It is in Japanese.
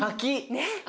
ねっ。